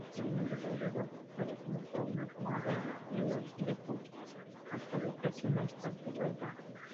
El evento fue rebautizado como Fauna Primavera y dejó atrás el tradicional Espacio Broadway.